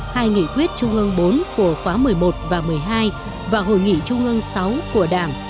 hai nghị quyết trung ương bốn của khóa một mươi một và một mươi hai và hội nghị trung ương sáu của đảng